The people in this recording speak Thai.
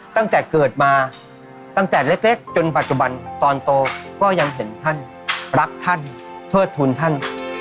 ตั้งแต่เกิดมาตั้งแต่เล็กจนปัจจุบันตอนโตก็ยังเห็นท่านรักท่านเทิดทุนท่าน